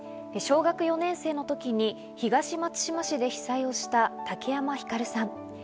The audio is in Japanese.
小学４年生のときに東松島市で被災をした武山ひかるさん。